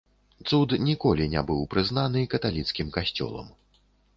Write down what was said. Цуд ніколі не быў прызнаны каталіцкім касцёлам.